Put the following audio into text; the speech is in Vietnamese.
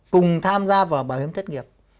cùng tham gia vào bảo hiểm thất nghiệp